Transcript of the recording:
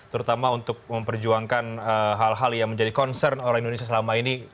terutama untuk memperjuangkan hal hal yang menjadi concern orang indonesia selama ini